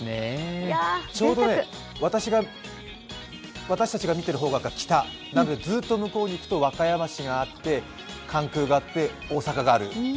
ちょうど私たちが見ている方角が北なんでずっと向こうに行くと和歌山市があって関空があって、大阪がある。